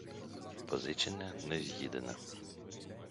Позичене — не з'їдене.